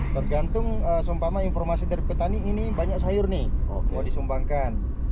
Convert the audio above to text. tergantung sumpah mah informasi dari petani ini banyak sayur nih mau disumpangkan